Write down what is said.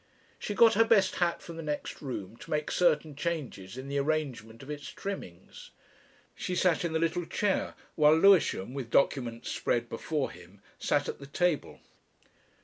She got her best hat from the next room to make certain changes in the arrangement of its trimmings. She sat in the little chair, while Lewisham, with documents spread before him, sat at the table.